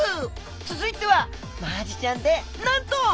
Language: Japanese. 続いてはマアジちゃんでなんと！